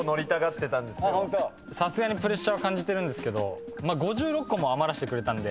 さすがにプレッシャーを感じてるんですけど５６個も余らせてくれたんで。